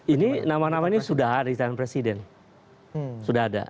ini nama nama ini sudah ada di tangan presiden sudah ada